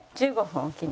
１５分。